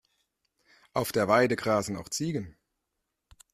Auf der Weide grasen auch Ziegen.